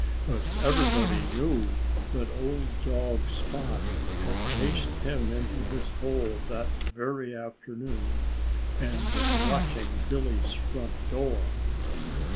But everybody knew that old dog Spot had chased him into his hole that very afternoon, and was watching Billy's front door.